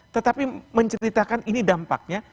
tetapi menceritakan ini dampaknya